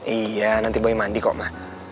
iya nanti boy mandi kok ma